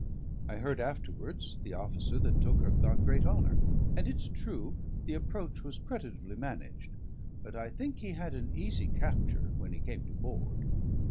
I heard afterwards the officer that took her got great honour; and it's true the approach was creditably managed, but I think he had an easy capture when he came to board.